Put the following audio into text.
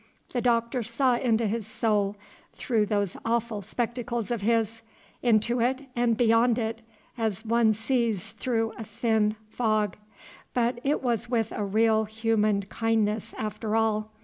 The Doctor saw into his soul through those awful spectacles of his, into it and beyond it, as one sees through a thin fog. But it was with a real human kindness, after all.